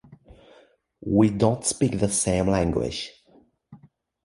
We don't speak the same language.